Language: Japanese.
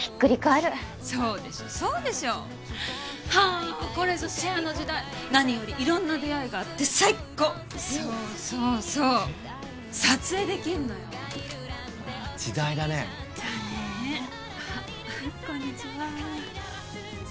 あこれぞシェアの時代何より色んな出会いがあって最高そうそうそう撮影できんのよわあ時代だねだねあっこんにちは